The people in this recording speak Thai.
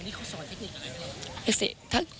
วันนี้เขาสอนเทคนิคอะไรครับ